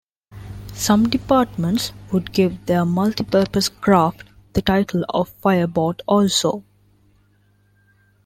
Some departments would give their multi-purpose craft the title of "fireboat" also.